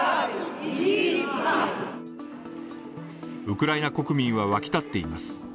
ウクライナ国民は沸き立っています。